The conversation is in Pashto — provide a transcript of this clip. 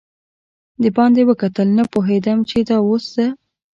باندې وکتل، نه پوهېدم چې دا اوس زه.